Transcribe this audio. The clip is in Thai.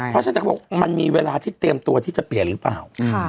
เพราะฉะนั้นแต่เขาบอกมันมีเวลาที่เตรียมตัวที่จะเปลี่ยนหรือเปล่า